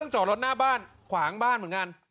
จอดรถหน้าบ้านขวางบ้านเหมือนกัน